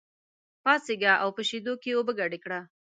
پاڅېږه او په شېدو کې اوبه ګډې کړه.